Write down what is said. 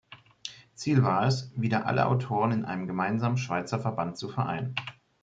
Ziel war es, wieder alle Autoren in einem gemeinsamen Schweizer Verband zu vereinen.